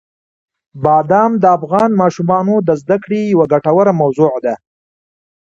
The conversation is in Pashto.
بادام د افغان ماشومانو د زده کړې یوه ګټوره موضوع ده.